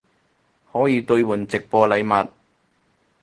可以兑换直播禮物